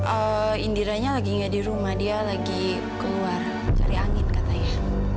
oh indiranya lagi gak di rumah dia lagi keluar dari angin katanya